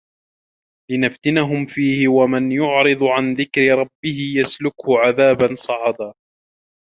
لِنَفتِنَهُم فيهِ وَمَن يُعرِض عَن ذِكرِ رَبِّهِ يَسلُكهُ عَذابًا صَعَدًا